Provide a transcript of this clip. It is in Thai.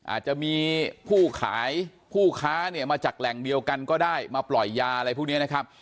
อาจจะมีผู้ขายผู้ค้าเนี่ยมาจากแหล่งเดียวกันก็ได้มาปล่อยยาอะไรพวกนี้นะครับ